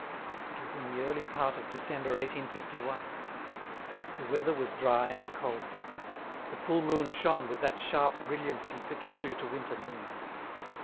It was in the early part of December, 1851. The weather was dry and cold. The full moon shone with that sharp brilliancy peculiar to winter moons.